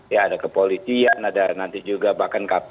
ya ada kepolisian ada nanti juga bahkan kpk